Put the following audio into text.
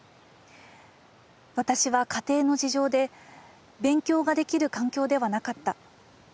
私は家庭の事情で勉強が出来る環境ではなかった。